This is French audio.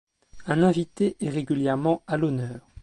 Un invité est régulièrement à l'honneur.